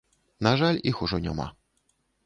На жаль, іх ужо няма.